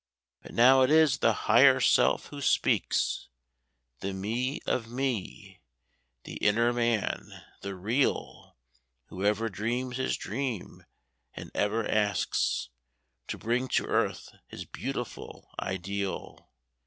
But now it is the Higher Self who speaks— The Me of me—the inner Man—the real— Whoever dreams his dream and ever seeks To bring to earth his beautiful ideal.